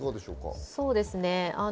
そうですね。